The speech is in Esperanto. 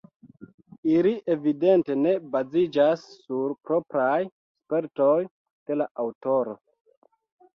Ili evidente ne baziĝas sur propraj spertoj de la aŭtoro.